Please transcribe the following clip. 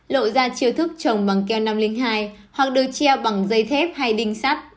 lộ ra chiêu thức trồng bằng keo năm trăm linh hai hoặc được treo bằng dây thép hay đinh sắt